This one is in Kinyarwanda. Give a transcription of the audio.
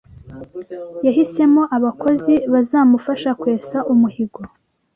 Yahisemo abakozi bazamufasha kwesa umuhigo